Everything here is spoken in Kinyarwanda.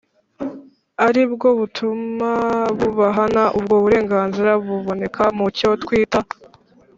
ari bwo butuma bubahana. ubwo burenganzira buboneka mu cyo twita